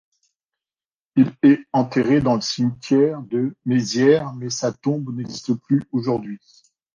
Il est enterré dans le cimetière de Mézières mais sa tombe n'existe plus aujourd'hui.